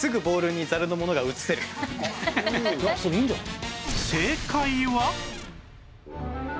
それいいんじゃない？